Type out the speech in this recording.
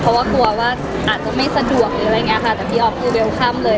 เพราะว่ากลัวว่าอาจจะไม่สะดวกแต่พี่อ๊อฟคือเบลค่ำเลย